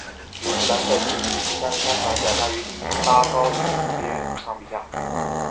李树兰率其第三十三团转辖于第一一八旅高魁元旅长麾下。